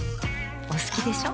お好きでしょ。